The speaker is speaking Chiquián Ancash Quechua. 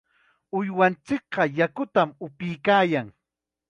Uywanchikqa yakutam upuykaayan.